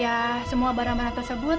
ya semua barang barang tersebut